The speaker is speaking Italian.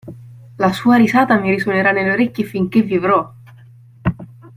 La sua risata mi risuonerà nelle orecchie finché vivrò!